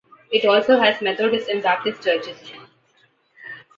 It also has Methodist and Baptist churches.